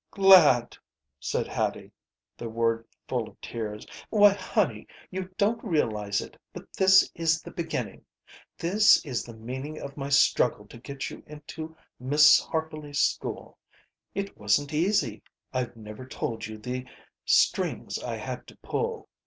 "Glad," said Hattie, the word full of tears. "Why, honey, you don't realize it, but this is the beginning! This is the meaning of my struggle to get you into Miss Harperly's school. It wasn't easy. I've never told you the strings I had to pull.